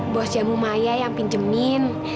bos jamu maya yang pinjemin